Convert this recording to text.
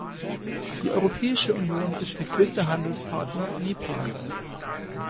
Die Europäische Union ist der größte Handelspartner Nepals.